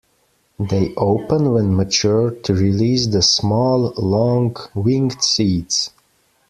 They open when mature to release the small, long, winged seeds.